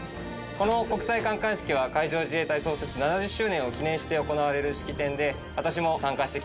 この国際観艦式は海上自衛隊創設７０周年を記念して行われる式典で私も参加してきます。